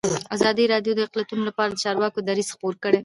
ازادي راډیو د اقلیتونه لپاره د چارواکو دریځ خپور کړی.